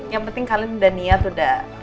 yang penting kalian udah niat udah